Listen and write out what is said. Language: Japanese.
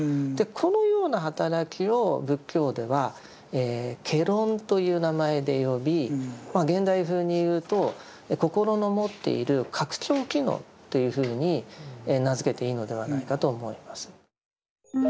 このような働きを仏教では「戯論」という名前で呼び現代風に言うと「心の持っている拡張機能」というふうに名付けていいのではないかと思います。